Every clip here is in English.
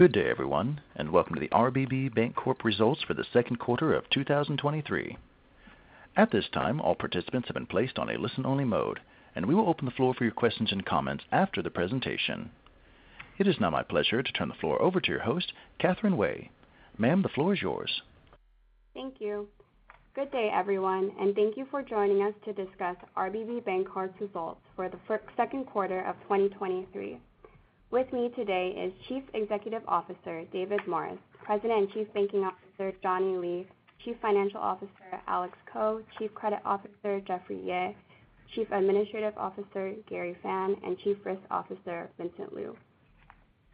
Good day, everyone, and welcome to the RBB Bancorp Results for the Second Quarter of 2023. At this time, all participants have been placed on a listen-only mode, and we will open the floor for your questions and comments after the presentation. It is now my pleasure to turn the floor over to your host, Catherine Wei. Ma'am, the floor is yours. Thank you. Good day, everyone, thank you for joining us to discuss RBB Bancorp's Results for the Second Quarter of 2023. With me today is Chief Executive Officer, David Morris, President and Chief Banking Officer, Johnny Lee, Chief Financial Officer, Alex Ko, Chief Credit Officer, Jeffrey Yeh, Chief Administrative Officer, Gary Fan, and Chief Risk Officer, Vincent Liu.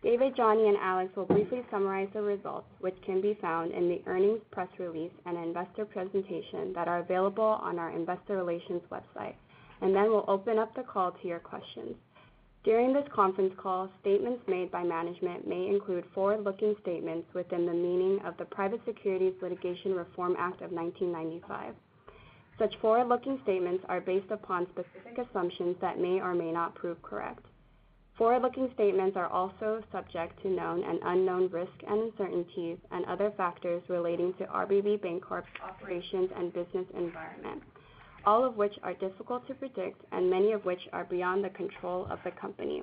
David, Johnny, and Alex will briefly summarize the results, which can be found in the earnings press release and investor presentation that are available on our investor relations website, and then we'll open up the call to your questions. During this conference call, statements made by management may include forward-looking statements within the meaning of the Private Securities Litigation Reform Act of 1995. Such forward-looking statements are based upon specific assumptions that may or may not prove correct. Forward-looking statements are also subject to known and unknown risks and uncertainties and other factors relating to RBB Bancorp's operations and business environment, all of which are difficult to predict and many of which are beyond the control of the company.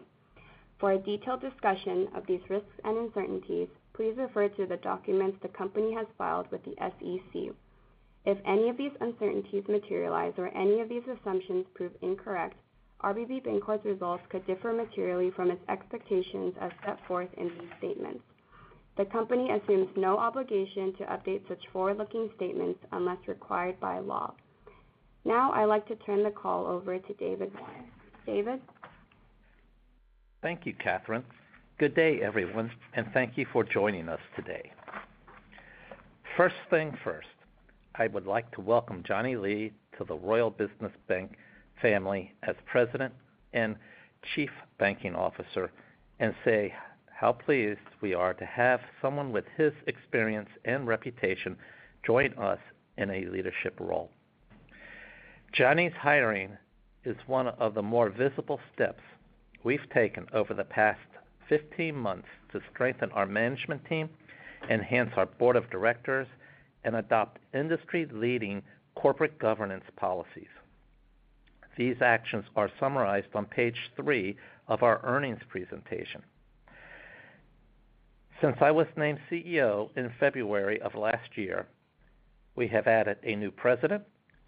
For a detailed discussion of these risks and uncertainties, please refer to the documents the company has filed with the SEC. If any of these uncertainties materialize or any of these assumptions prove incorrect, RBB Bancorp's results could differ materially from its expectations as set forth in these statements. The company assumes no obligation to update such forward-looking statements unless required by law. Now, I'd like to turn the call over to David Morris. David? Thank you, Catherine. Good day, everyone, and thank you for joining us today. First thing first, I would like to welcome Johnny Lee to the Royal Business Bank family as President and Chief Banking Officer and say how pleased we are to have someone with his experience and reputation join us in a leadership role. Johnny's hiring is one of the more visible steps we've taken over the past 15 months to strengthen our management team, enhance our board of directors, and adopt industry-leading corporate governance policies. These actions are summarized on page three of our earnings presentation. Since I was named CEO in February of last year, we have added a new President,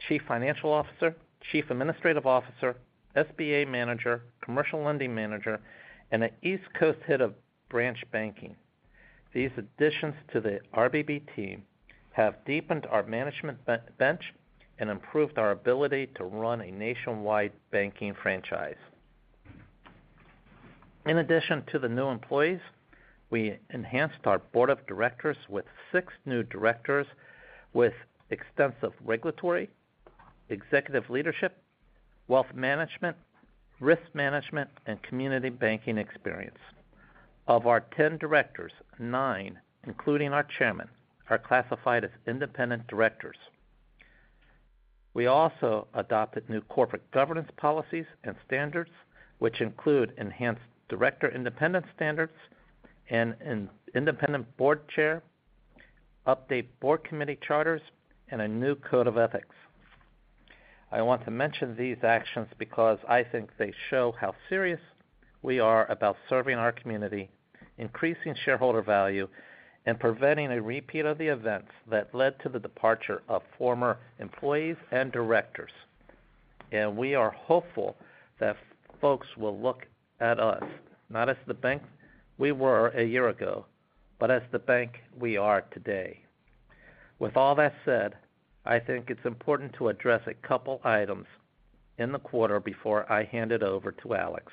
Chief Financial Officer, Chief Administrative Officer, SBA Manager, Commercial Lending Manager, and an East Coast Head of Branch Banking. These additions to the RBB team have deepened our management bench and improved our ability to run a nationwide banking franchise. In addition to the new employees, we enhanced our board of directors with six new directors with extensive regulatory, executive leadership, wealth management, risk management, and community banking experience. Of our 10 directors, nine, including our chairman, are classified as independent directors. We also adopted new corporate governance policies and standards, which include enhanced director independent standards and an independent board chair, update board committee charters, and a new code of ethics. I want to mention these actions because I think they show how serious we are about serving our community, increasing shareholder value, and preventing a repeat of the events that led to the departure of former employees and directors. We are hopeful that folks will look at us, not as the bank we were a year ago, but as the bank we are today. With all that said, I think it's important to address a couple items in the quarter before I hand it over to Alex.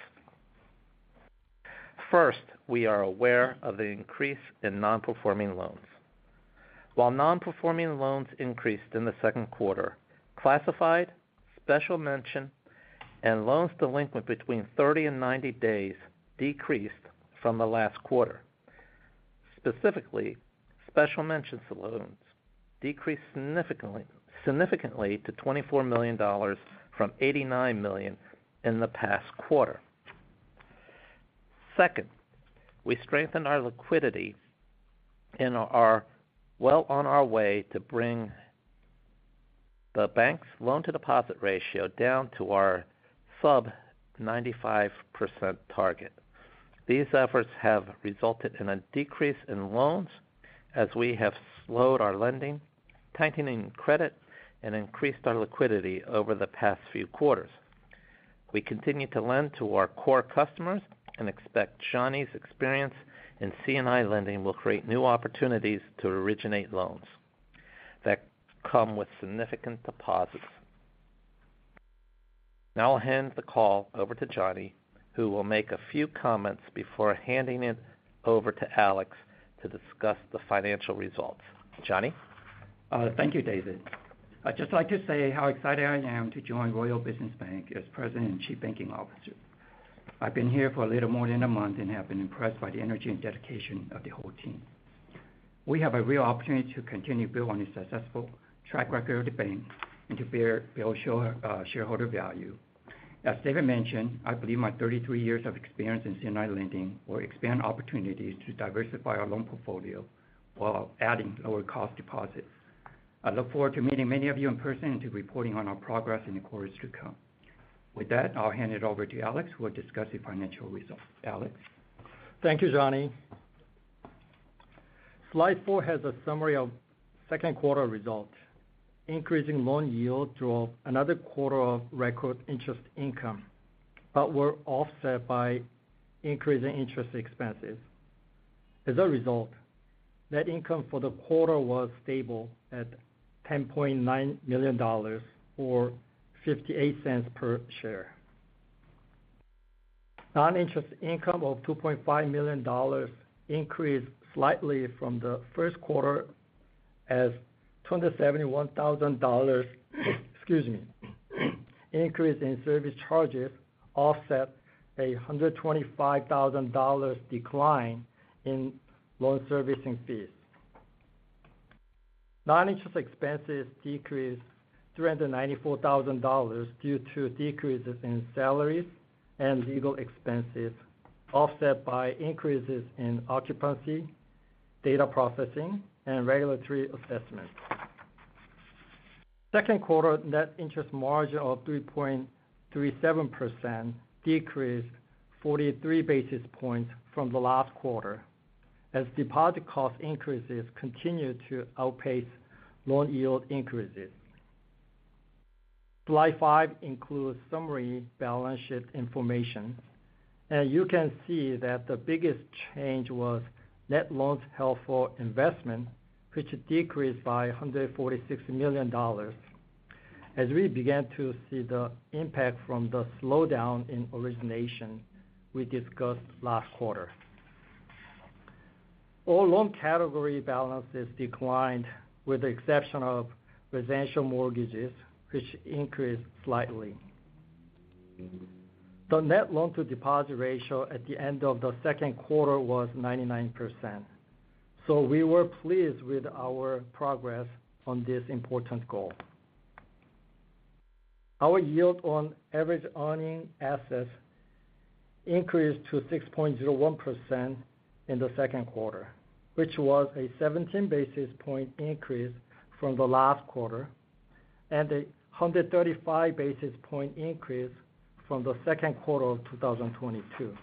First, we are aware of the increase in non-performing loans. While non-performing loans increased in the second quarter, classified, special mention, and loans delinquent between 30 and 90 days decreased from the last quarter. Specifically, special mentions of loans decreased significantly to $24 million from $89 million in the past quarter. Second, we strengthened our liquidity and are well on our way to bring the bank's loan-to-deposit ratio down to our sub-95% target. These efforts have resulted in a decrease in loans as we have slowed our lending, tightening credit, and increased our liquidity over the past few quarters. We continue to lend to our core customers and expect Johnny's experience in C&I lending will create new opportunities to originate loans that come with significant deposits. Now I'll hand the call over to Johnny, who will make a few comments before handing it over to Alex to discuss the financial results. Johnny? Thank you, David. I'd just like to say how excited I am to join Royal Business Bank as President and Chief Banking Officer. I've been here for a little more than a month and have been impressed by the energy and dedication of the whole team. We have a real opportunity to continue to build on the successful track record of the bank and to build share, shareholder value. As David mentioned, I believe my 33 years of experience in C&I lending will expand opportunities to diversify our loan portfolio while adding lower cost deposits. I look forward to meeting many of you in person and to reporting on our progress in the quarters to come. With that, I'll hand it over to Alex, who will discuss the financial results. Alex? Thank you, Johnny. Slide four has a summary of second quarter results. Increasing loan yield drove another quarter of record interest income, but were offset by increasing interest expenses. As a result, net income for the quarter was stable at $10.9 million, or $0.58 per share. Non-interest income of $2.5 million increased slightly from the first quarter, as $271,000, excuse me, increase in service charges offset $125,000 decline in loan servicing fees. Non-interest expenses decreased $394,000 due to decreases in salaries and legal expenses, offset by increases in occupancy, data processing, and regulatory assessments. Second quarter net interest margin of 3.37% decreased 43 basis points from the last quarter, as deposit cost increases continued to outpace loan yield increases. Slide five includes summary balance sheet information. You can see that the biggest change was net loans held for investment, which decreased by $146 million, as we began to see the impact from the slowdown in origination we discussed last quarter. All loan category balances declined, with the exception of residential mortgages, which increased slightly. The net loan to deposit ratio at the end of the second quarter was 99%. We were pleased with our progress on this important goal. Our yield on average earning assets increased to 6.01% in the second quarter, which was a 17 basis point increase from the last quarter and a 135 basis point increase from the second quarter of 2022.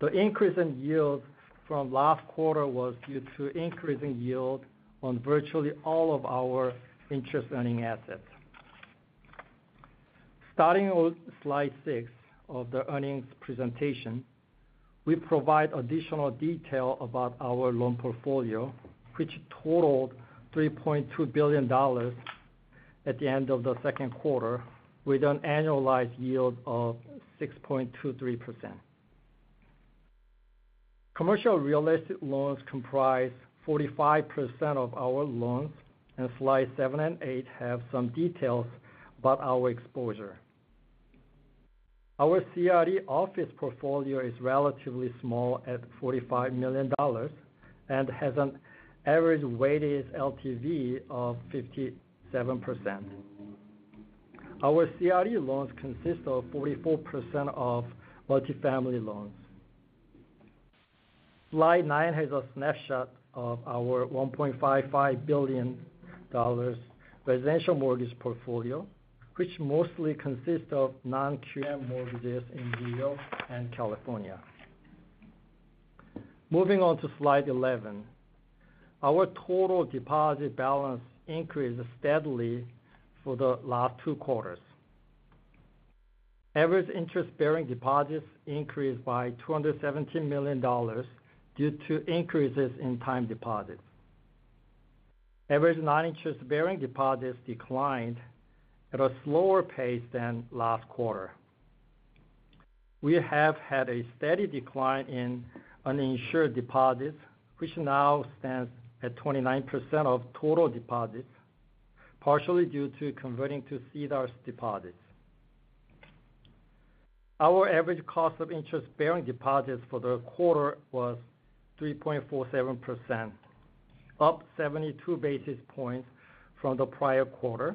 The increase in yield from last quarter was due to increasing yield on virtually all of our interest-earning assets. Starting on slide six of the earnings presentation, we provide additional detail about our loan portfolio, which totaled $3.2 billion at the end of the second quarter, with an annualized yield of 6.23%. Commercial real estate loans comprise 45% of our loans, and slides seven and eight have some details about our exposure. Our CRE office portfolio is relatively small at $45 million and has an average weighted LTV of 57%. Our CRE loans consist of 44% of multifamily loans. Slide nine has a snapshot of our $1.55 billion residential mortgage portfolio, which mostly consists of non-QM mortgages in New York and California. Moving on to slide 11. Our total deposit balance increased steadily for the last two quarters. Average interest-bearing deposits increased by $217 million due to increases in time deposits. Average non-interest-bearing deposits declined at a slower pace than last quarter. We have had a steady decline in uninsured deposits, which now stands at 29% of total deposits, partially due to converting to CDARS deposits. Our average cost of interest-bearing deposits for the quarter was 3.47%, up 72 basis points from the prior quarter,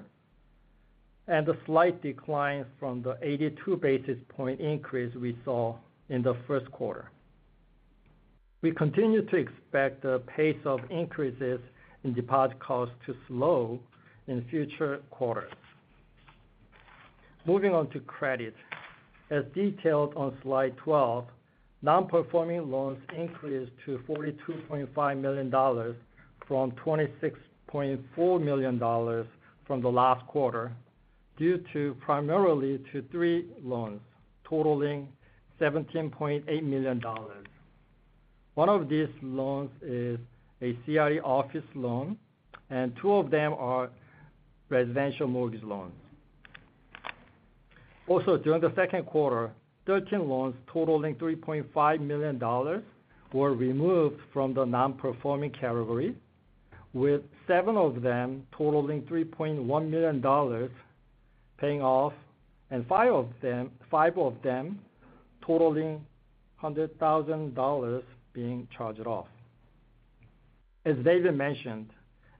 and a slight decline from the 82 basis point increase we saw in the first quarter. We continue to expect the pace of increases in deposit costs to slow in future quarters. Moving on to credit. As detailed on slide 12, non-performing loans increased to $42.5 million from $26.4 million from the last quarter, due to primarily to three loans totaling $17.8 million. One of these loans is a CRE office loan, and two of them are residential mortgage loans. Also, during the second quarter, 13 loans totaling $3.5 million were removed from the non-performing category, with seven of them totaling $3.1 million paying off, and five of them totaling $100,000 being charged off. As David mentioned,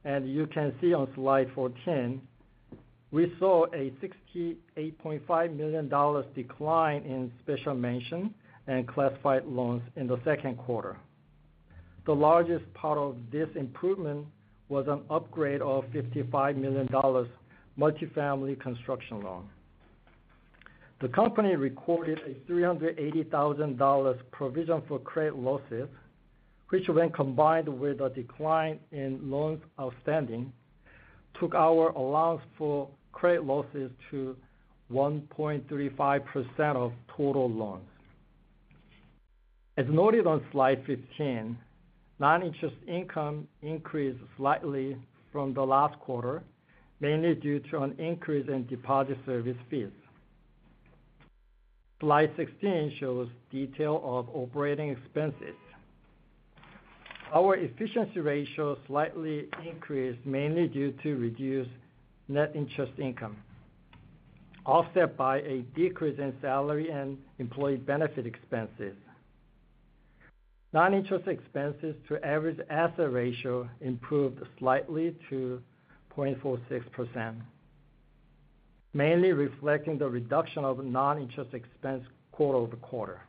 and you can see on slide 14, we saw a $68.5 million decline in special mention and classified loans in the second quarter. The largest part of this improvement was an upgrade of $55 million multifamily construction loan. The company recorded a $380,000 provision for credit losses, which when combined with a decline in loans outstanding, took our allowance for credit losses to 1.35% of total loans. As noted on slide 15, non-interest income increased slightly from the last quarter, mainly due to an increase in deposit service fees. Slide 16 shows detail of operating expenses. Our efficiency ratio slightly increased, mainly due to reduced net interest income, offset by a decrease in salary and employee benefit expenses. Non-interest expenses to average asset ratio improved slightly to 0.46%, mainly reflecting the reduction of non-interest expense quarter-over-quarter.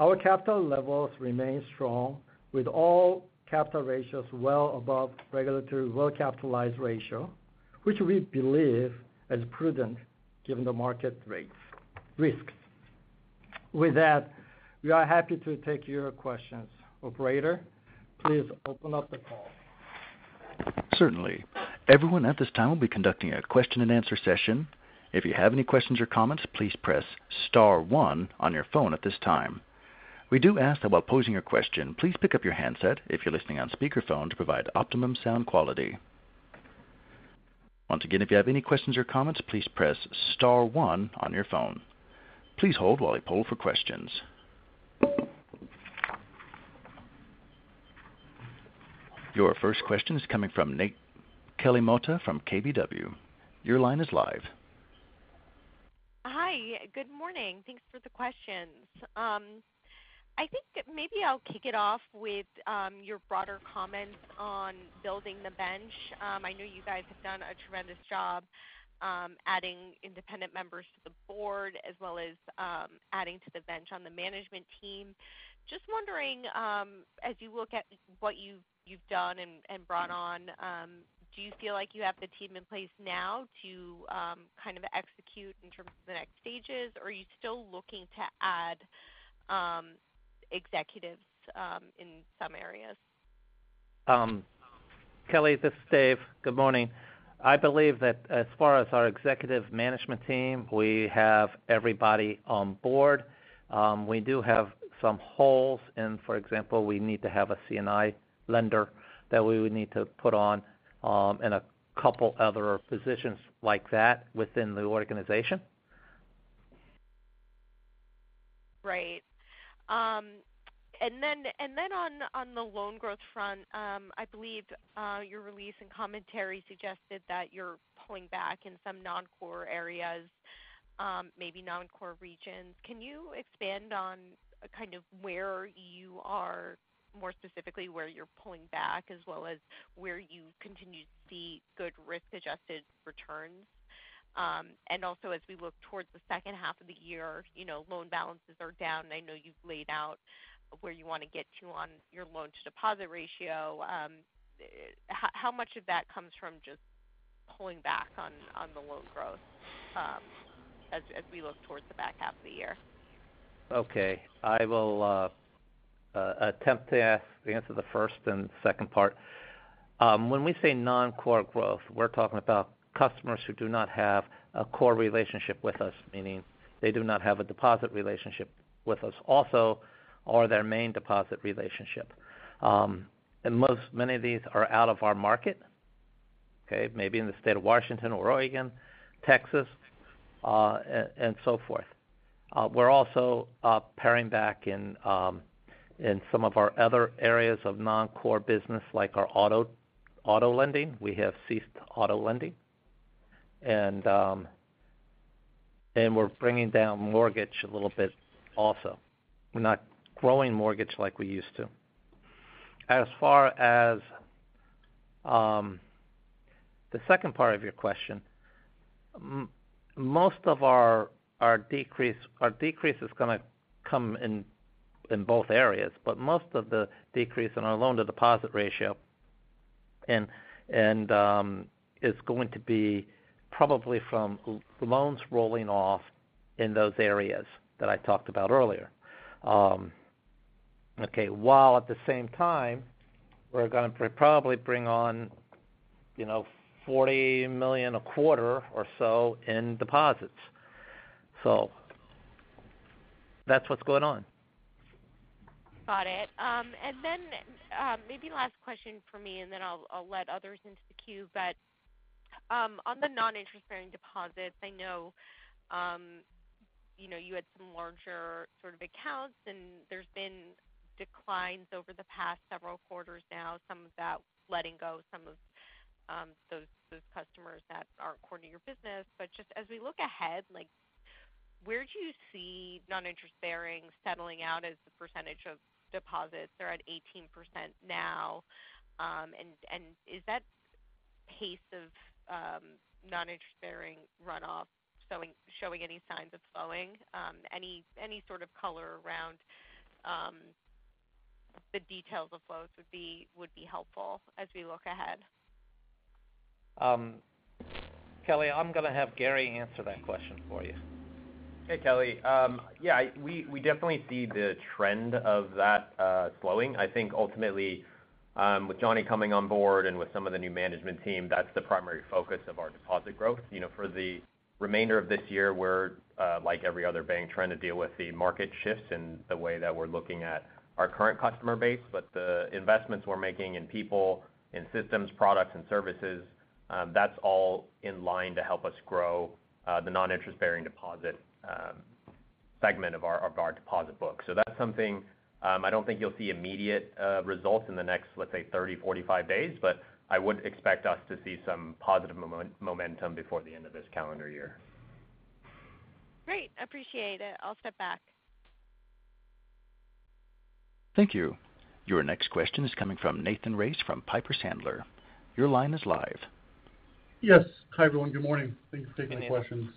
Our capital levels remain strong, with all capital ratios well above regulatory well-capitalized ratio, which we believe is prudent given the market risks. With that, we are happy to take your questions. Operator, please open up the call. Certainly. Everyone at this time, we'll be conducting a question-and-answer session. If you have any questions or comments, please press star one on your phone at this time. We do ask that while posing your question, please pick up your handset if you're listening on speakerphone to provide optimum sound quality. Once again, if you have any questions or comments, please press star one on your phone. Please hold while we poll for questions. Your first question is coming from Kelly Motta from KBW. Your line is live. Hi, good morning. Thanks for the questions. I think that maybe I'll kick it off with your broader comments on building the bench. I know you guys have done a tremendous job, adding independent members to the board, as well as, adding to the bench on the management team. Just wondering, as you look at what you've done and brought on, do you feel like you have the team in place now to kind of execute in terms of the next stages, or are you still looking to add executives in some areas? Kelly, this is Dave. Good morning. I believe that as far as our executive management team, we have everybody on board. We do have some holes in, for example, we need to have a C&I lender that we would need to put on, and a couple other positions like that within the organization. Right. Then on the loan growth front, I believe your release and commentary suggested that you're pulling back in some non-core areas, maybe non-core regions. Can you expand on kind of where you are, more specifically, where you're pulling back, as well as where you continue to see good risk-adjusted returns? Also, as we look towards the second half of the year, you know, loan balances are down. I know you've laid out where you want to get to on your loan-to-deposit ratio. How much of that comes from just pulling back on the loan growth, as we look towards the back half of the year? Okay. I will attempt to answer the first and second part. When we say non-core growth, we're talking about customers who do not have a core relationship with us, meaning they do not have a deposit relationship with us also, or their main deposit relationship. Many of these are out of our market, okay? Maybe in the state of Washington or Oregon, Texas, and so forth. We're also paring back in some of our other areas of non-core business, like our auto lending. We have ceased auto lending, and we're bringing down mortgage a little bit also. We're not growing mortgage like we used to. As far as, the second part of your question, most of our decrease is gonna come in both areas, but most of the decrease in our loan-to-deposit ratio, and, is going to be probably from the loans rolling off in those areas that I talked about earlier. Okay, while at the same time, we're gonna probably bring on, you know, $40 million a quarter or so in deposits. That's what's going on. Got it. Maybe last question for me, and then I'll let others into the queue. On the non-interest-bearing deposits, I know, you know, you had some larger sort of accounts, and there's been declines over the past several quarters now, some of that letting go some of those customers that aren't core to your business. Just as we look ahead, like, where do you see non-interest-bearing settling out as a percentage of deposits? They're at 18% now. Is that pace of non-interest-bearing runoff showing any signs of slowing? Any sort of color around the details of flows would be helpful as we look ahead. Kelly, I'm gonna have Gary answer that question for you. Hey, Kelly. Yeah, we definitely see the trend of that slowing. I think ultimately, with Johnny coming on board and with some of the new management team, that's the primary focus of our deposit growth. You know, for the remainder of this year, we're like every other bank, trying to deal with the market shifts and the way that we're looking at our current customer base. The investments we're making in people, in systems, products, and services, that's all in line to help us grow the non-interest-bearing deposit segment of our deposit book. That's something, I don't think you'll see immediate results in the next, let say, 30, 45 days, but I would expect us to see some positive momentum before the end of this calendar year. Great. Appreciate it. I'll step back. Thank you. Your next question is coming from Nathan Race from Piper Sandler. Your line is live. Yes. Hi, everyone. Good morning. Thank you for taking the questions.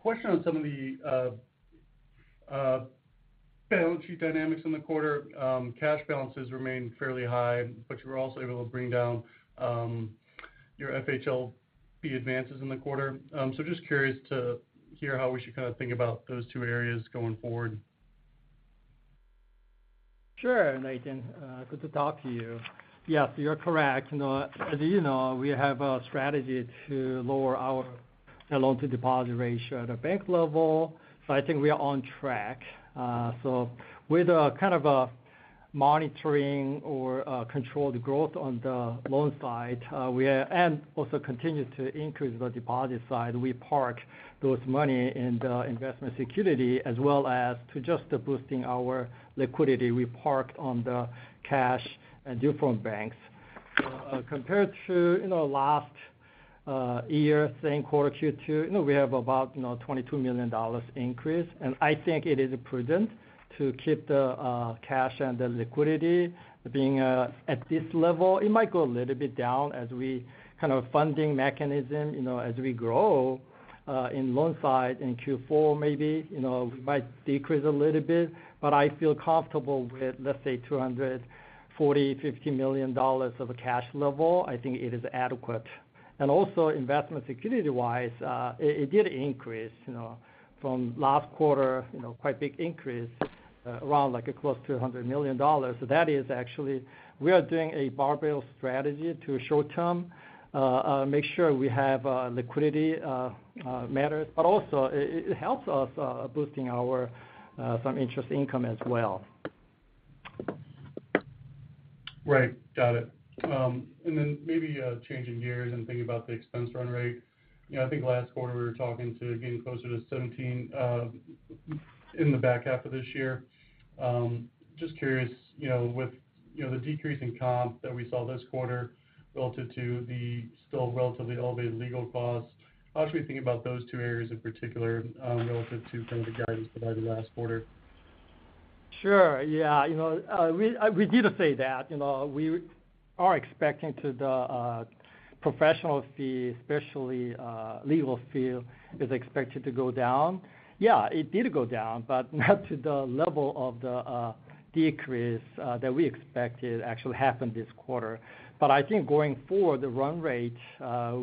Question on some of the balance sheet dynamics in the quarter. Cash balances remain fairly high, but you were also able to bring down your FHLB advances in the quarter. Just curious to hear how we should kind of think about those two areas going forward. Sure, Nathan, good to talk to you. Yes, you're correct. You know, as you know, we have a strategy to lower our loan-to-deposit ratio at a bank level, so I think we are on track. With a kind of a monitoring or controlled growth on the loan side, and also continue to increase the deposit side, we park those money in the investment security, as well as to just boosting our liquidity we parked on the cash and different banks. Compared to, you know, last year, same quarter, Q2, you know, we have about, you know, $22 million increase, and I think it is prudent to keep the cash and the liquidity being at this level. It might go a little bit down as we kind of funding mechanism, you know, as we grow in loan side in Q4, maybe, you know, it might decrease a little bit, but I feel comfortable with, let's say, $240 million-$250 million of a cash level. I think it is adequate. investment security-wise, it did increase, you know, from last quarter, you know, quite big increase, around like close to $100 million. That is actually we are doing a barbell strategy to short-term, make sure we have liquidity matters, but also it helps us boosting our some interest income as well. Got it. Maybe changing gears and thinking about the expense run rate. You know, I think last quarter, we were talking to getting closer to $17 in the back half of this year. Just curious, you know, with, you know, the decrease in comp that we saw this quarter relative to the still relatively elevated legal costs, how should we think about those two areas in particular relative to kind of the guidance provided last quarter? Sure. Yeah, you know, we did say that, you know, we are expecting to the professional fee, especially legal fee, is expected to go down. Yeah, it did go down, but not to the level of the decrease that we expected actually happened this quarter. I think going forward, the run rate,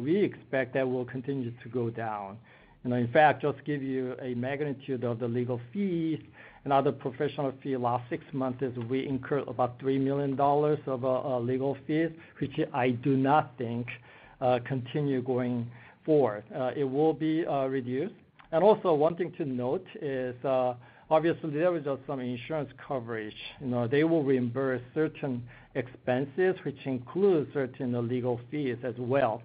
we expect that will continue to go down. You know, in fact, just give you a magnitude of the legal fees and other professional fee, last six months is we incur about $3 million of legal fees, which I do not think continue going forward. It will be reduced. One thing to note is, obviously, there is just some insurance coverage. You know, they will reimburse certain expenses, which includes certain legal fees as well.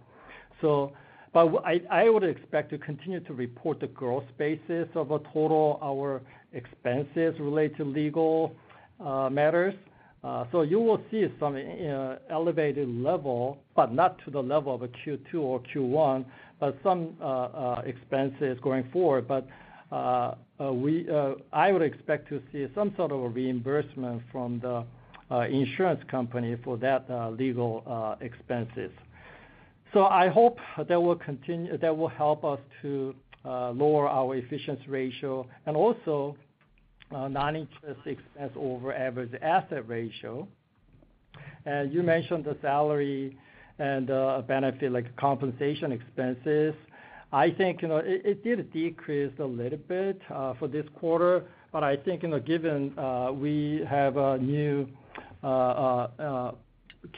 I would expect to continue to report the growth basis of a total our expenses related to legal matters. You will see some elevated level, but not to the level of a Q2 or Q1, but some expenses going forward. We, I would expect to see some sort of a reimbursement from the insurance company for that legal expenses. I hope that will help us to lower our efficiency ratio and also non-interest expense over average asset ratio. You mentioned the salary and benefit, like compensation expenses. I think, you know, it did decrease a little bit for this quarter, but I think, you know, given we have a new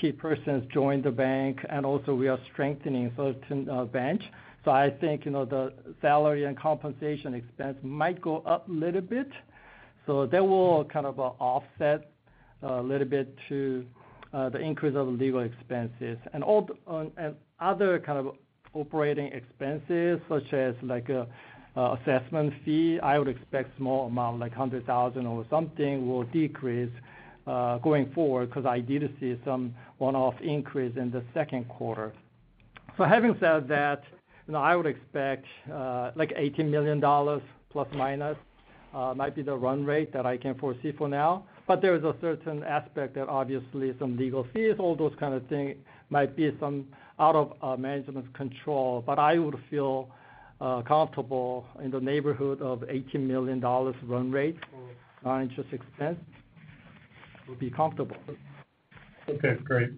key persons join the bank, and also we are strengthening certain bench. I think, you know, the salary and compensation expense might go up a little bit. That will kind of offset a little bit to the increase of legal expenses. Other kind of operating expenses, such as like assessment fee, I would expect small amount, like $100,000 or something, will decrease going forward, because I did see some one-off increase in the second quarter. Having said that, you know, I would expect like $80 million, plus, minus, might be the run rate that I can foresee for now. There is a certain aspect that obviously some legal fees, all those kind of things, might be some out of management's control. I would feel comfortable in the neighborhood of $80 million run rate for non-interest expense, would be comfortable. Okay, great.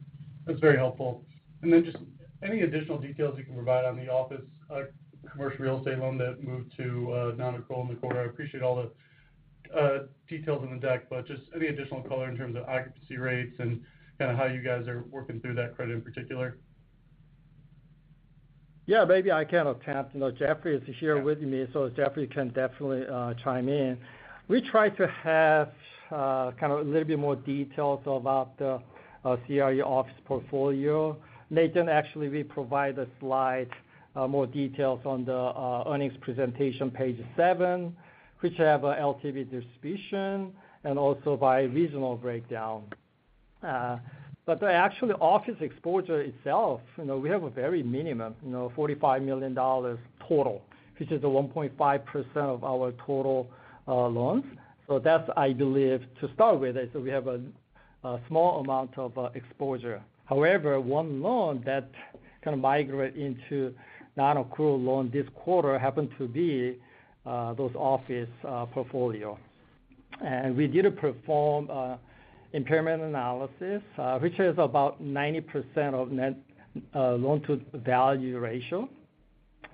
That's very helpful. Just any additional details you can provide on the office, commercial real estate loan that moved to nonaccrual in the quarter? I appreciate all the details in the deck, just any additional color in terms of occupancy rates and kind of how you guys are working through that credit in particular. Yeah, maybe I can attempt. You know, Jeffrey is here with me, Jeffrey can definitely chime in. We try to have kind of a little bit more details about the CRE office portfolio. Later, actually, we provide a slide, more details on the earnings presentation, page seven, which have a LTV distribution and also by regional breakdown. The actually office exposure itself, you know, we have a very minimum, you know, $45 million total, which is a 1.5% of our total loans. That's, I believe, to start with, I said we have a small amount of exposure. However, one loan that kind of migrate into nonaccrual loan this quarter happened to be those office portfolio. We did perform a impairment analysis, which is about 90% of net loan-to-value ratio.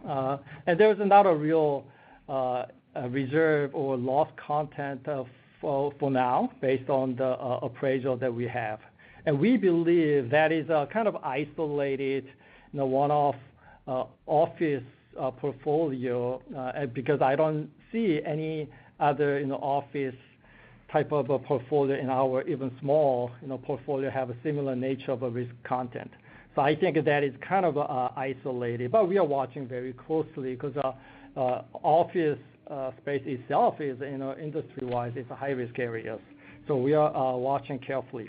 There is not a real reserve or loss content for now, based on the appraisal that we have. We believe that is a kind of isolated, you know, one-off office portfolio, because I don't see any other, you know, office type of a portfolio in our even small, you know, portfolio have a similar nature of a risk content. I think that is kind of isolated, but we are watching very closely because office space itself is, you know, industry-wise, it's a high-risk areas. We are watching carefully.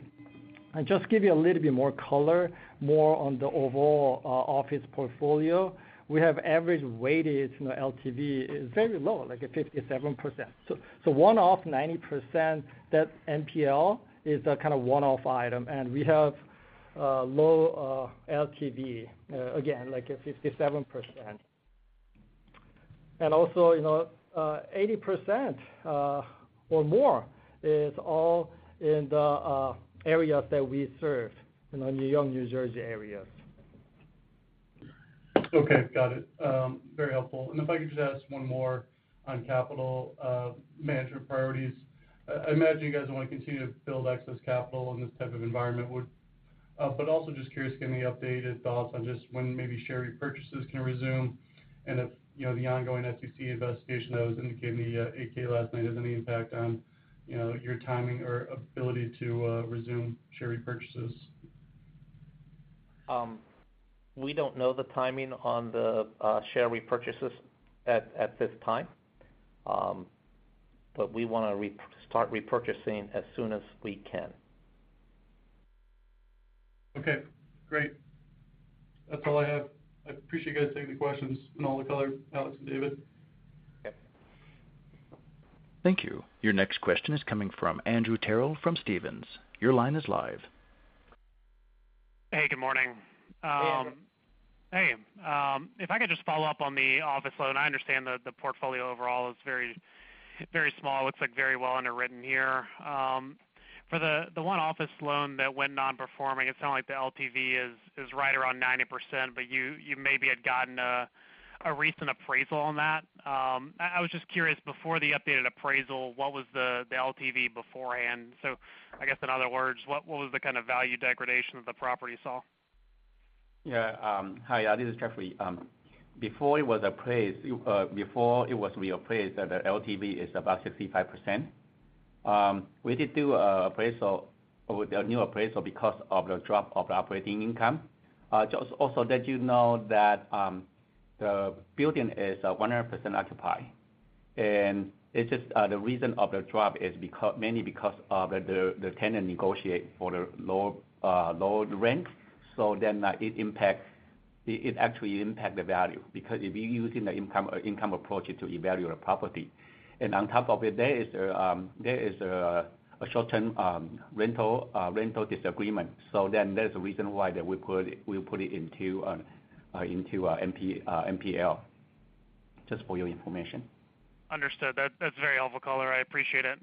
Just give you a little bit more color, more on the overall office portfolio, we have average weighted, you know, LTV is very low, like a 57%. One-off, 90%, that NPL is a kind of one-off item, and we have low LTV again, like a 57%. Also, you know, 80% or more, is all in the areas that we serve, you know, New York, New Jersey areas. Okay, got it. Very helpful. If I could just ask one more on capital, management priorities. I imagine you guys want to continue to build excess capital in this type of environment, but also just curious, any updated thoughts on just when maybe share repurchases can resume, and if, you know, the ongoing SEC investigation that was indicated in the 8-K last night has any impact on, you know, your timing or ability to resume share repurchases? We don't know the timing on the share repurchases at this time, but we want to start repurchasing as soon as we can. Okay, great. That's all I have. I appreciate you guys taking the questions and all the color, Alex and David. Yeah. Thank you. Your next question is coming from Andrew Terrell from Stephens. Your line is live. Hey, good morning. Hey, Andrew. Hey, if I could just follow up on the office loan, I understand that the portfolio overall is very small. It looks like very well underwritten here. For the one office loan that went nonperforming, it sound like the LTV is right around 90%, but you maybe had gotten a recent appraisal on that. I was just curious, before the updated appraisal, what was the LTV beforehand? I guess in other words, what was the kind of value degradation that the property saw? Yeah, hi, this is Jeffrey. Before it was appraised, before it was reappraised, the LTV is about 65%. We did do a appraisal, or the new appraisal, because of the drop of the operating income. Just also let you know that, the building is 100% occupied, and it's just the reason of the drop is mainly because of the, the tenant negotiate for the low, lower rent. it actually impact the value, because if you're using the income approach to evaluate a property. And on top of it, there is a short-term rental disagreement. there's a reason why that we put it into NPL, just for your information. Understood. That's very helpful color. I appreciate it.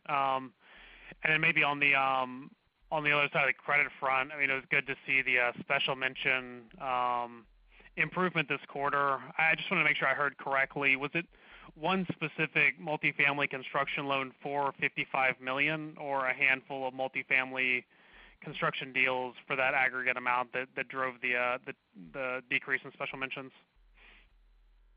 Maybe on the, on the other side of the credit front, I mean, it was good to see the special mention improvement this quarter. I just want to make sure I heard correctly. Was it one specific multifamily construction loan for $55 million or a handful of multifamily construction deals for that aggregate amount that drove the decrease in special mentions?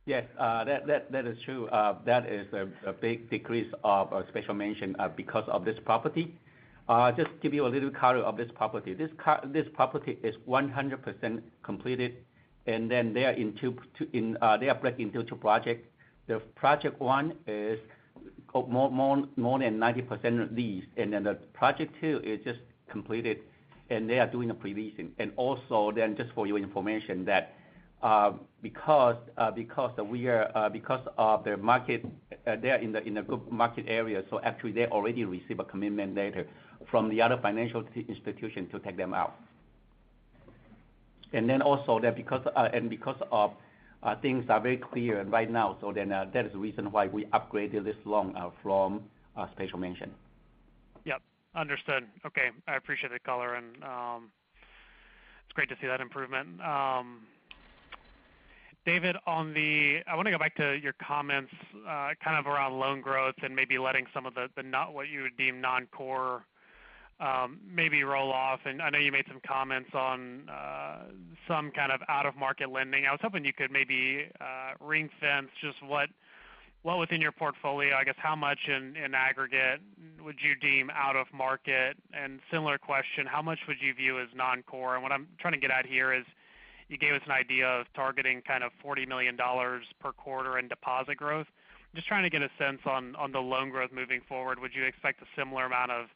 Yes, that is true. That is a big decrease of special mention because of this property. Just to give you a little color of this property, this property is 100% completed, they are breaking into two project. The Project 1 is more than 90% leased, the Project 2 is just completed, and they are doing a pre-leasing. Also, just for your information, that because we are because of the market, they are in a good market area, so actually they already received a commitment letter from the other financial institution to take them out. Also that because, and because of, things are very clear right now, so then, that is the reason why we upgraded this loan, from, special mention. Yep, understood. Okay, I appreciate the color and it's great to see that improvement. David, I want to go back to your comments kind of around loan growth and maybe letting some of the not what you would deem non-core maybe roll off. I know you made some comments on some kind of out-of-market lending. I was hoping you could maybe ring-fence just what within your portfolio, I guess, how much in aggregate would you deem out of market? Similar question, how much would you view as non-core? What I'm trying to get at here is, you gave us an idea of targeting kind of $40 million per quarter in deposit growth. Just trying to get a sense on the loan growth moving forward, would you expect a similar amount of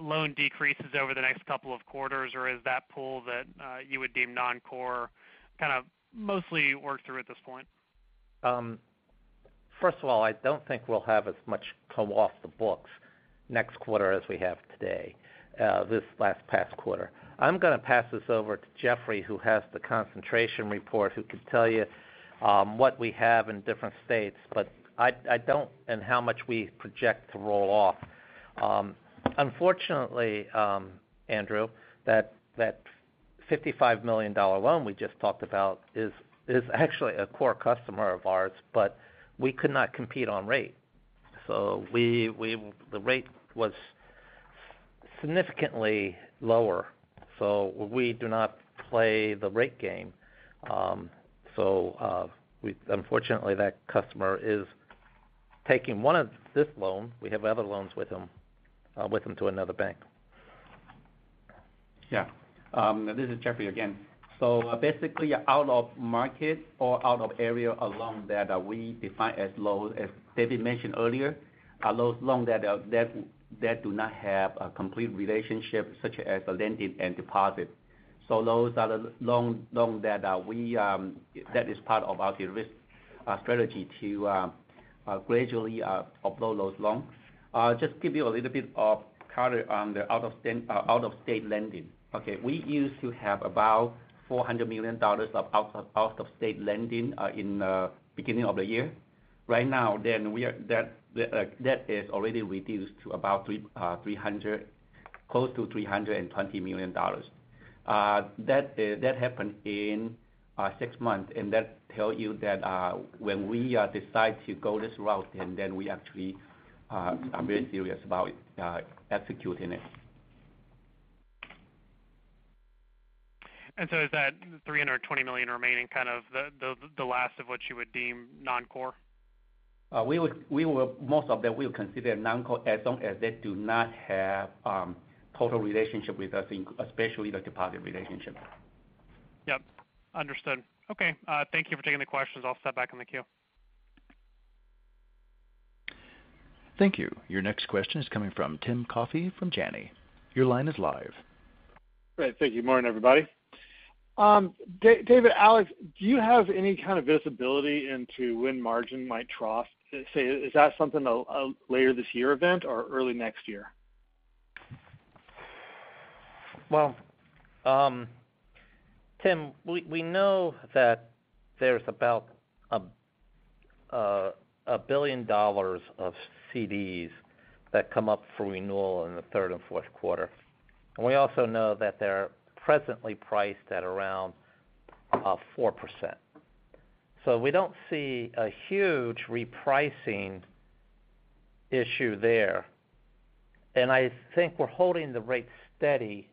loan decreases over the next couple of quarters, or is that pool that you would deem non-core kind of mostly worked through at this point? First of all, I don't think we'll have as much come off the books next quarter as we have today, this last past quarter. I'm going to pass this over to Jeffrey, who has the concentration report, who can tell you, what we have in different states, but I don't. How much we project to roll off. Unfortunately, Andrew, that $55 million loan we just talked about is actually a core customer of ours, but we could not compete on rate. The rate was significantly lower, so we do not play the rate game. We, unfortunately, that customer is taking one of this loan, we have other loans with him, with him to another bank. This is Jeffrey again. Basically, out of market or out of area, a loan that we define as low as David mentioned earlier, are those loan that do not have a complete relationship, such as a lending and deposit. Those are the loan that we that is part of our risk strategy to gradually upload those loans. Just give you a little bit of color on the out-of-state lending. We used to have about $400 million of out-of-state lending in beginning of the year. Right now, we are that is already reduced to about $300 million, close to $320 million. That happened in six months, and that tell you that when we decide to go this route, and then we actually are very serious about executing it. Is that $320 million remaining, kind of the last of what you would deem non-core? We would, we will most of them, we'll consider non-core as long as they do not have total relationship with us, especially the deposit relationship. Yep. Understood. Okay, thank you for taking the questions. I'll step back in the queue. Thank you. Your next question is coming from Tim Coffey from Janney. Your line is live. Great. Thank you. Morning, everybody. David, Alex, do you have any kind of visibility into when margin might trough? Say, is that something a later this year event or early next year? Well, Tim, we know that there's about $1 billion of CDs that come up for renewal in the third and fourth quarter. We also know that they're presently priced at around 4%. We don't see a huge repricing issue there. I think we're holding the rate steady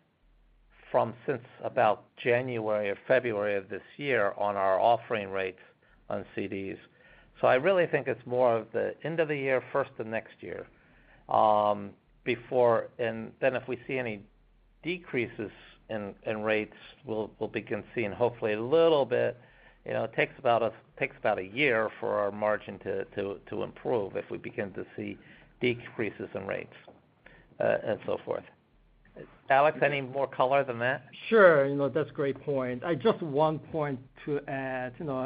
from since about January or February of this year on our offering rates on CDs. I really think it's more of the end of the year, first of next year, before. If we see any decreases in rates, we'll begin seeing hopefully a little bit. You know, it takes about a year for our margin to improve if we begin to see decreases in rates and so forth. Alex, any more color than that? Sure. You know, that's a great point. I just one point to add, you know,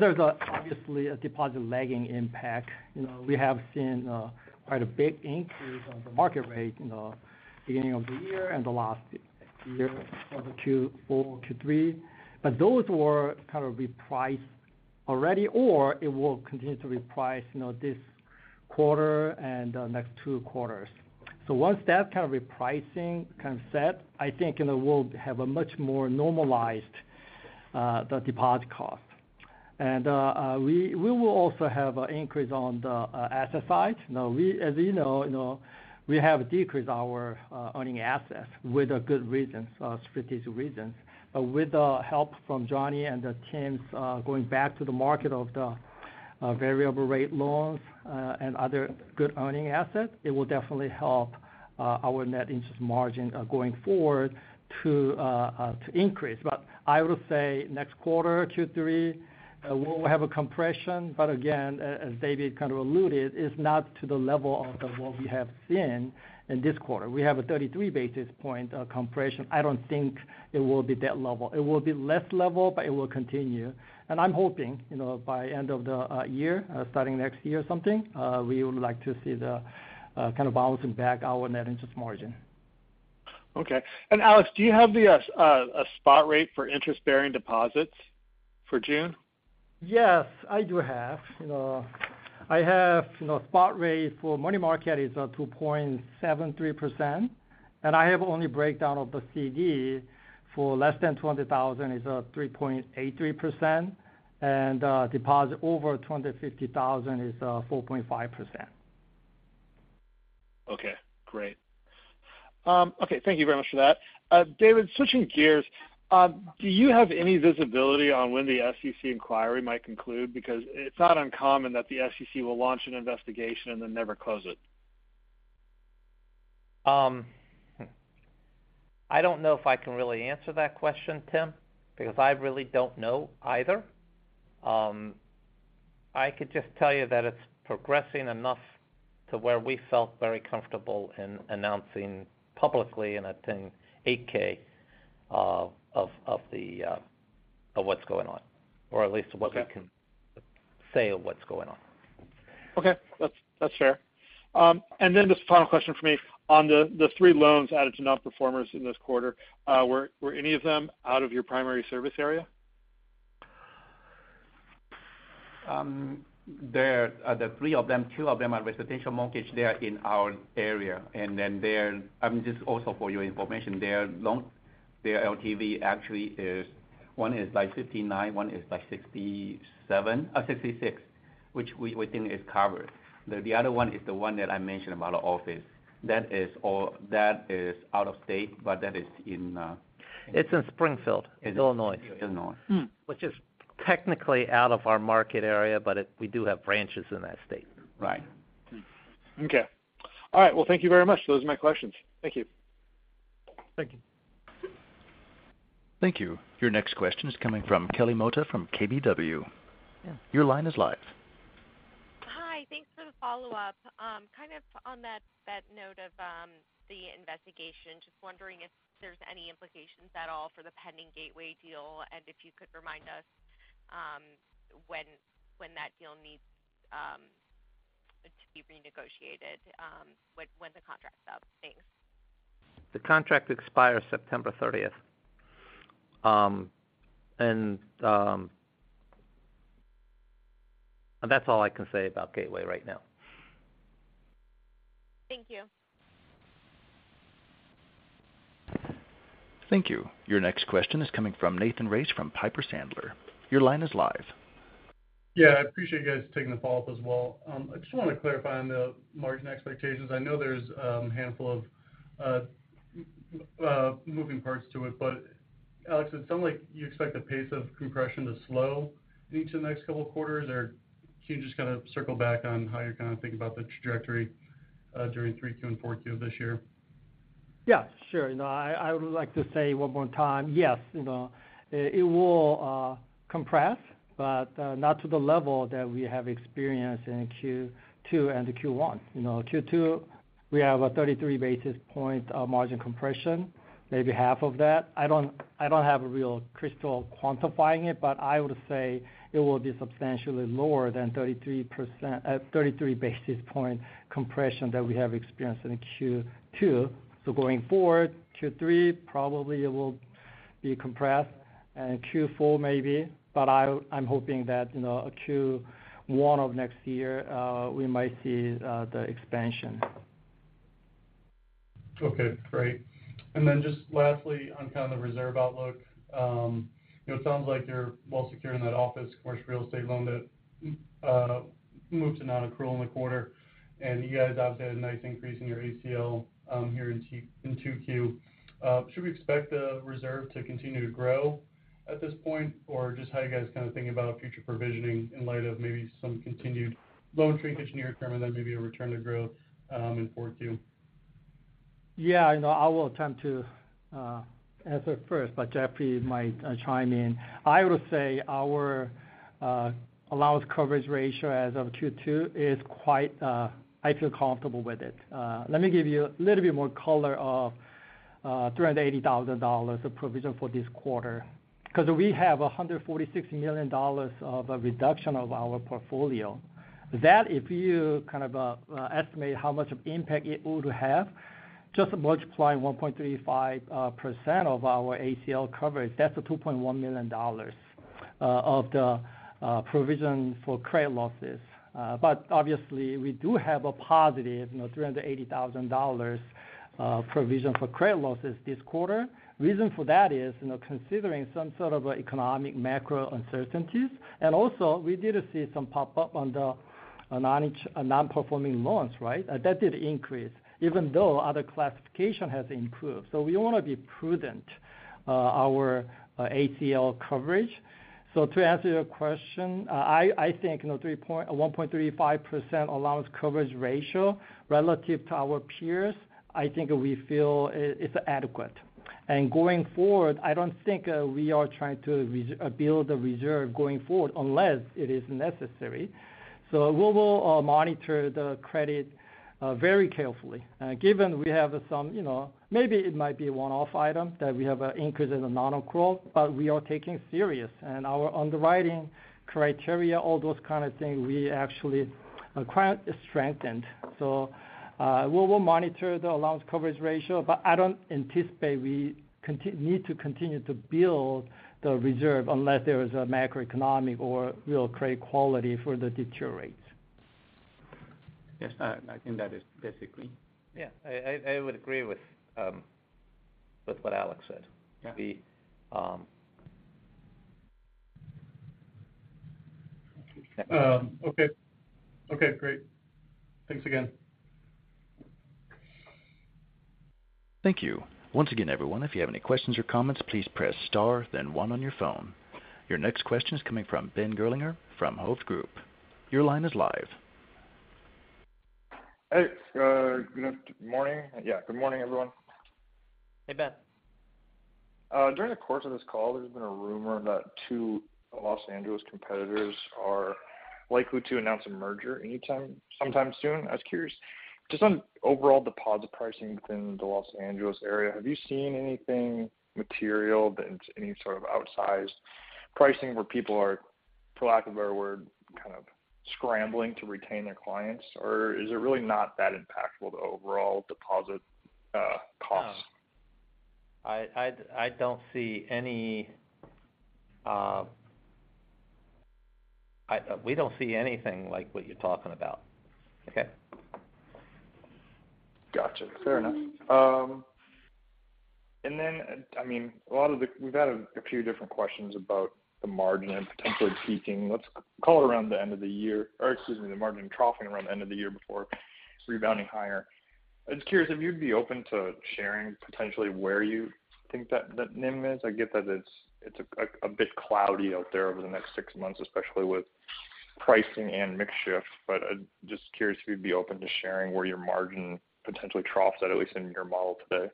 there's obviously a deposit lagging impact. You know, we have seen quite a big increase on the market rate, you know, beginning of the year and the last year, quarter two, three. Those were kind of repriced already, or it will continue to reprice, you know, this quarter and the next two quarters. Once that kind of repricing kind of set, I think, you know, we'll have a much more normalized the deposit cost. We will also have an increase on the asset side. Now, we, as you know, you know, we have decreased our earning assets with a good reason, strategic reason with the help from Johnny and the teams, going back to the market. variable rate loans, and other good earning assets, it will definitely help our net interest margin going forward to increase. I would say next quarter, Q3, we'll have a compression, but again, as David kind of alluded, it's not to the level of what we have seen in this quarter. We have a 33 basis point compression. I don't think it will be that level. It will be less level, but it will continue. I'm hoping, you know, by end of the year, starting next year or something, we would like to see the kind of bouncing back our net interest margin. Okay. Alex, do you have a spot rate for interest-bearing deposits for June? Yes, I do have. You know, I have, you know, spot rate for money market is 2.73%. I have only breakdown of the CD for less than $20,000 is 3.83%. Deposit over $2,050,000 is 4.5%. Okay, great. Okay, thank you very much for that. David, switching gears, do you have any visibility on when the SEC inquiry might conclude? It's not uncommon that the SEC will launch an investigation and then never close it. I don't know if I can really answer that question, Tim, because I really don't know either. I could just tell you that it's progressing enough to where we felt very comfortable in announcing publicly in, I think, 8-K, of what's going on, or at least what. Okay Say of what's going on. Okay, that's fair. Just final question for me. On the three loans added to nonperformers in this quarter, any of them out of your primary service area? There, the three of them, two of them are residential mortgage. They are in our area, and then just also for your information, their loan, their LTV actually is, one is by 59, one is by 67, 66, which we think is covered. The other one is the one that I mentioned about our office. That is out of state, but that is in. It's in Springfield, Illinois. In Illinois. which is technically out of our market area, but we do have branches in that state. Right. Okay. All right, well, thank you very much. Those are my questions. Thank you. Thank you. Thank you. Your next question is coming from Kelly Mota from KBW. Your line is live. Hi, thanks for the follow-up. Kind of on that note of the investigation, just wondering if there's any implications at all for the pending Gateway deal, and if you could remind us, when that deal needs to be renegotiated, when the contract's up. Thanks. The contract expires September 30th. That's all I can say about Gateway right now. Thank you. Thank you. Your next question is coming from Nathan Race, from Piper Sandler. Your line is live. Yeah, I appreciate you guys taking the follow-up as well. I just want to clarify on the margin expectations. I know there's a handful of moving parts to it, Alex, it sounds like you expect the pace of compression to slow into the next couple of quarters, or can you just kind of circle back on how you're kind of thinking about the trajectory during 3Q and 4Q this year? Yeah, sure. You know, I would like to say one more time, yes, you know, it will compress, not to the level that we have experienced in Q2 and Q1. You know, Q2, we have a 33 basis point of margin compression, maybe half of that. I don't have a real crystal quantifying it, I would say it will be substantially lower than 33 basis point compression that we have experienced in Q2. Going forward, Q3, probably it will be compressed, Q4 maybe, I'm hoping that, you know, Q1 of next year, we might see the expansion. Okay, great. Just lastly, on kind of the reserve outlook, you know, it sounds like you're well secure in that office, commercial real estate loan that moved to non-accrual in the quarter, and you guys obviously had a nice increase in your ACL here in 2Q. Should we expect the reserve to continue to grow at this point? Just how are you guys kind of thinking about future provisioning in light of maybe some continued loan shrinkage near term, and then maybe a return to growth in 4Q? Yeah, you know, I will attempt to answer first, but Jeffrey might chime in. I would say our allowance coverage ratio as of Q2 is quite, I feel comfortable with it. Let me give you a little bit more color of $380,000 of provision for this quarter. We have $146 million of a reduction of our portfolio. That, if you kind of estimate how much of impact it would have, just multiplying 1.35% of our ACL coverage, that's a $2.1 million of the provision for credit losses. Obviously, we do have a positive, you know, $380,000 provision for credit losses this quarter. Reason for that is, you know, considering some sort of economic macro uncertainties, and also we did see some pop-up on nonperforming loans, right? That did increase, even though other classification has improved. We want to be prudent, our ACL coverage. To answer your question, I think, you know, 1.35% allowance coverage ratio relative to our peers, I think we feel it's adequate. Going forward, I don't think, we are trying to build a reserve going forward unless it is necessary. We will monitor the credit very carefully. Given we have some, you know, maybe it might be a one-off item, that we have an increase in the nonaccrual, but we are taking serious. Our underwriting criteria, all those kind of things, we actually, quite strengthened. We will monitor the allowance coverage ratio, but I don't anticipate we need to continue to build the reserve unless there is a macroeconomic or real credit quality further deteriorates. I think that is basically. Yeah, I would agree with what Alex said. Yeah. The, um. Okay, great. Thanks again. Thank you. Once again, everyone, if you have any questions or comments, please press Star, then One on your phone. Your next question is coming from Ben Gerlinger from Hovde Group. Your line is live. Hey, good morning. Yeah, good morning, everyone. Hey, Ben. During the course of this call, there's been a rumor that two Los Angeles competitors are likely to announce a merger anytime, sometime soon. I was curious, just on overall deposit pricing within the Los Angeles area, have you seen anything material, any sort of outsized pricing where people are, for lack of a better word, kind of scrambling to retain their clients? Or is it really not that impactful to overall deposit costs? I don't see any. We don't see anything like what you're talking about. Okay? Gotcha. Fair enough. I mean, we've had a few different questions about the margin and potentially peaking, let's call it around the end of the year or excuse me, the margin troughing around the end of the year before rebounding higher. I'm just curious if you'd be open to sharing potentially where you think that NIM is. I get that it's a bit cloudy out there over the next six months, especially with pricing and mix shift, but I'm just curious if you'd be open to sharing where your margin potentially troughs at least in your model today.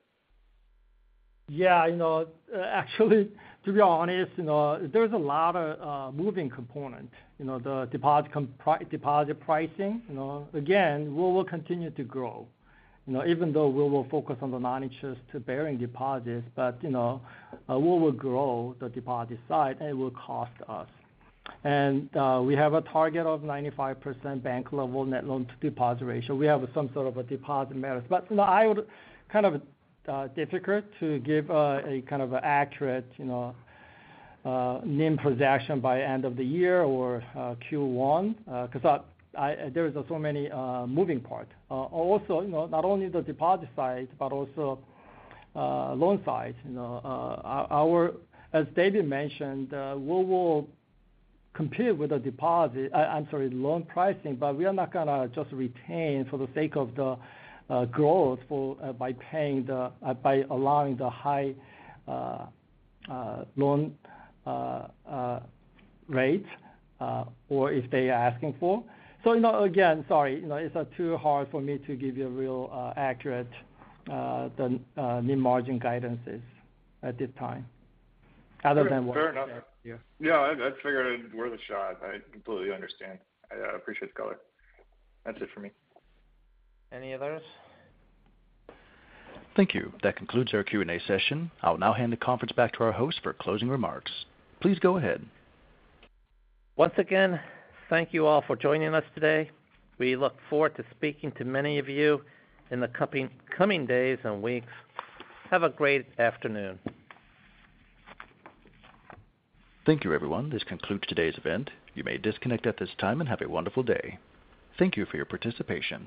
You know, actually, to be honest, you know, there's a lot of moving component, you know, the deposit pricing. You know, again, we will continue to grow. You know, even though we will focus on the non-interest bearing deposits, but, you know, we will grow the deposit side, and it will cost us. We have a target of 95% bank-level net loan-to-deposit ratio. We have some sort of a deposit matters. You know, I would kind of difficult to give a kind of accurate, you know, NIM projection by end of the year or Q1, because I... there is so many moving parts. Also, you know, not only the deposit side, but also loan side. You know, as David mentioned, we will compete with the deposit, I'm sorry, loan pricing, but we are not gonna just retain for the sake of the growth for by paying the by allowing the high loan rate or if they are asking for. You know, again, sorry, you know, it's too hard for me to give you a real, accurate, the NIM margin guidances at this time, other than what. Fair enough. Yeah. Yeah, I figured it was worth a shot. I completely understand. I appreciate the color. That's it for me. Any others? Thank you. That concludes our Q&A session. I'll now hand the conference back to our host for closing remarks. Please go ahead. Once again, thank you all for joining us today. We look forward to speaking to many of you in the coming days and weeks. Have a great afternoon. Thank you, everyone. This concludes today's event. You may disconnect at this time and have a wonderful day. Thank you for your participation.